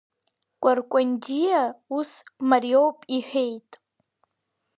Кәаркәанџьиа ус мариоуп иҳәеит…